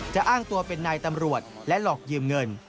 อ้างตัวเป็นนายตำรวจและหลอกยืมเงิน